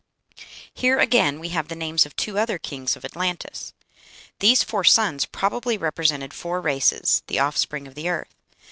Here, again, we have the names of two other kings of Atlantis. These four sons probably represented four races, the offspring of the earth.